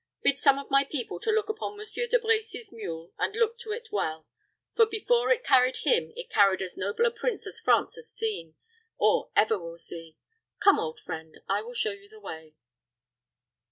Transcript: Bid some of my people look to Monsieur De Brecy's mule, and look to it well; for, before it carried him, it carried as noble a prince as France has seen, or ever will see. Come, old friend, I will show you the way."